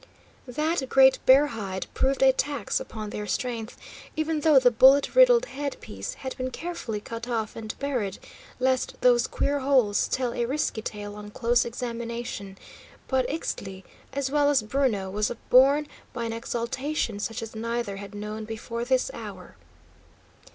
That great bear hide proved a tax upon their strength, even though the bullet riddled head piece had been carefully cut off and buried, lest those queer holes tell a risky tale on close examination; but Ixtli, as well as Bruno, was upborne by an exaltation such as neither had known before this hour.